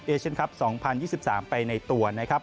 เอเชนคลับ๒๐๒๓ไปในตัว